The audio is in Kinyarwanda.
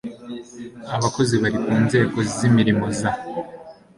Abakozi bari ku nzego z imirimo za